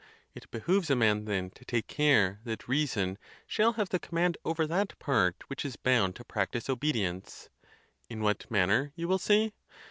It behooves a man, then, to take care that reason shall have the command over that part which is bound to practise obedience. In what manner? you will say.